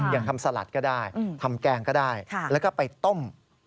อย่างทำสลัดก็ได้ทำแกงก็ได้แล้วก็ไปต้ม